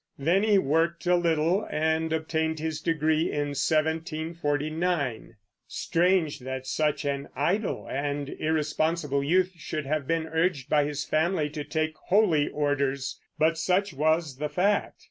Then he worked a little, and obtained his degree in 1749. Strange that such an idle and irresponsible youth should have been urged by his family to take holy orders; but such was the fact.